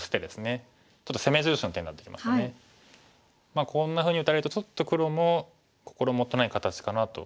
まあこんなふうに打たれるとちょっと黒も心もとない形かなと。